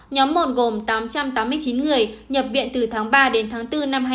nhóm một gồm tám trăm tám mươi chín người nhập viện từ tháng ba đến tháng bốn